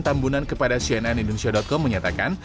tambunan kepada cnn indonesia com menyatakan